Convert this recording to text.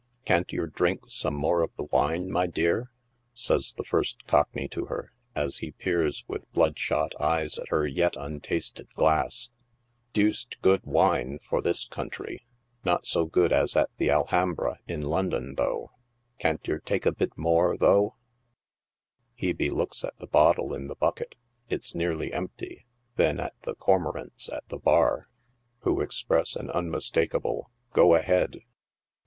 " Kant yer drink some more of the wine, my dear ?" says the first cockney to her, as he peers with bloodshot eyes at her yet untasted glass. " Duced good wine, for this country ; not so good as at the Al'ambra, in Lun'on, tho' ; kant yer take a bit more, tho' ?" Hebe looks at the bottle in the bucket (it's nearly empty), then at the cormorants at the bar, who express an unmistakable " go ahead."